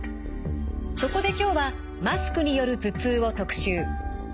そこで今日はマスクによる頭痛を特集。